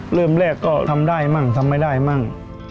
เริ่มแรกก็ทำได้มั่งทำไม่ได้มั่ง